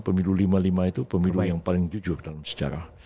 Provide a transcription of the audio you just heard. pemilu lima puluh lima itu pemilu yang paling jujur dalam sejarah